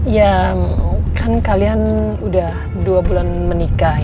ya kan kalian udah dua bulan menikah